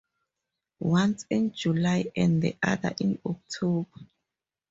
Once in July and the other in October.